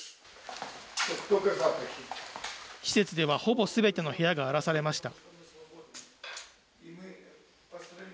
施設では、ほぼすべての部屋が荒らされました。